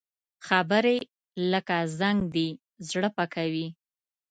خبرې لکه زنګ دي، زړه پاکوي